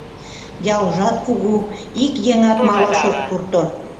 Ялжат кугу, ик еҥат малаш ок пурто.